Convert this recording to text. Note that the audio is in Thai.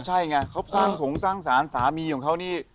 ใช่ไงเขาสร้างสงสร้างสารสามีของเขานี่